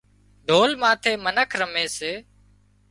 ڍول ماٿي منک رمي سي